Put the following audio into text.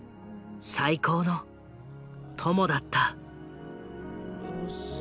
最高の友だった。